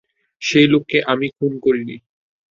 সেই লোককে আমি খুন করিনি।